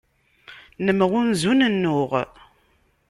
Nemɣunza ur nennuɣ.